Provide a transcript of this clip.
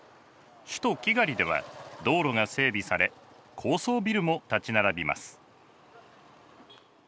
首都キガリでは道路が整備され高層ビルも建ち並びます。